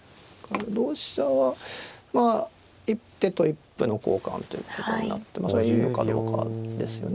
同飛車はまあ一手と一歩の交換ということになってますがいいのかどうかですよね。